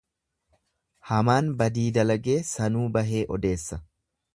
Hamaan badii dalagee sanuu bahee odeessa.